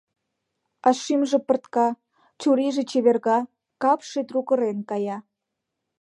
А шӱмжӧ пыртка, чурийже чеверга, капше трук ырен кая.